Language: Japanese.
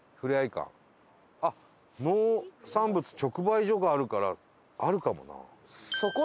あっ農産物直売所があるからあるかもな。